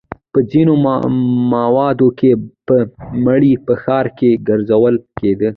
په ځینو مواردو کې به مړی په ښار کې ګرځول کېده.